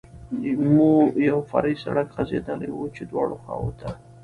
مو یو فرعي سړک غځېدلی و، چې دواړو اړخو ته.